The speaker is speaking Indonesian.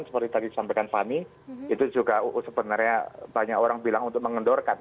seperti tadi disampaikan fani itu juga sebenarnya banyak orang bilang untuk mengendorkan